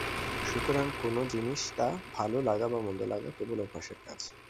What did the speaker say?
সুতরাং কোন জিনিষটা ভাল লাগা বা মন্দ লাগা কেবল অভ্যাসের কাজ।